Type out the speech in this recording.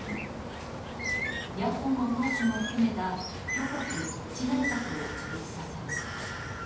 野党の党首も含めた挙国一致内閣を樹立させました。